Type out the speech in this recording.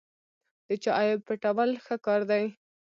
د چا عیب پټول ښه کار دی.